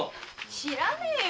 知らねえよ